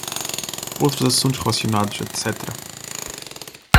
Outros assuntos relacionados, etc.